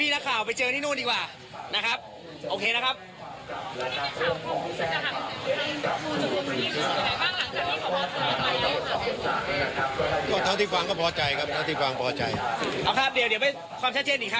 ที่ฟังก็พอใจครับเดี๋ยวไปความชัดเช็ดอีกครั้งหนึ่งตอน๔โมงเย็นครับผม